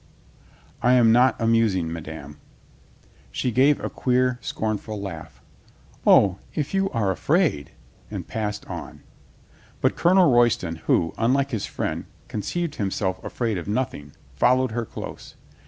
"I am not amusing, madame." She gave a queer, scornful laugh. "O, if you are afraid !" and passed on. But Colonel Royston, who, unlike his friend, con ceived himself afraid of nothing, followed her close.